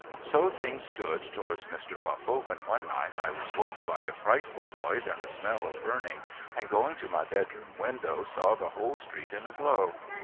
So things stood towards Mr. Buffle when one night I was woke by a frightful noise and a smell of burning, and going to my bedroom window saw the whole street in a glow.